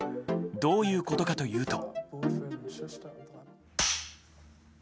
どういうことかというと。